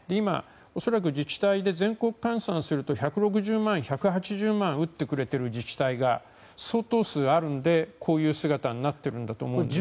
自治体で全国換算すると１６０万、１８０万打ってくれている自治体が相当数あるのでこういう姿になっているんだと思いますが。